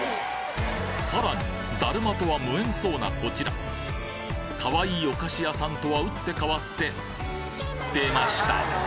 さらにだるまとは無縁そうなこちらかわいいお菓子屋さんとは打って変わって出ました！